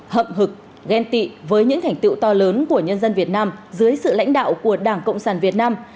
hậm hực ghen tị với những thành tựu to lớn của nhân dân việt nam dưới sự lãnh đạo của đảng cộng sản việt nam